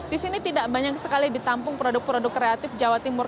di sini tidak banyak sekali ditampung produk produk kreatif jawa timur